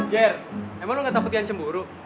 ger emang lo gak takut ian cemburu